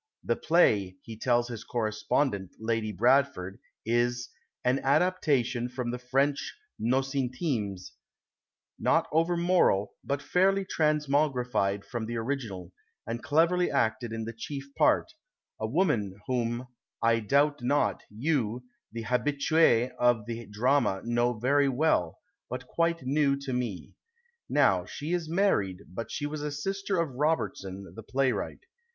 The play, he tells his correspondent, Lady Bradford, is —" An adaptation from the French Xus Intimes — not over moral, but fairly transmogrified from the original, and cleverly acted in the chief part — a 149 PASTICHE AND PREJUDICE woman whom, I doubt not, you, an Jiabituce of the drama, know very well, but quite new to me. Now she is married, but she was a sister of Robertson, the playwright.